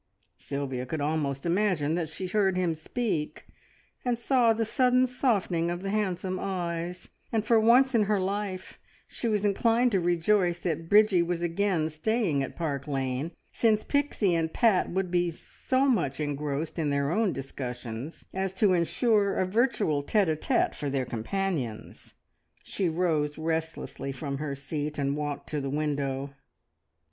Sylvia could almost imagine that she heard him speak, and saw the sudden softening of the handsome eyes, and for once in her life she was inclined to rejoice that Bridgie was again staying at Park Lane, since Pixie and Pat would be so much engrossed in their own discussions as to ensure a virtual tete a tete for their companions. She rose restlessly from her seat and walked to the window.